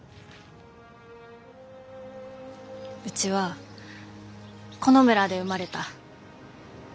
うちはこの村で生まれた。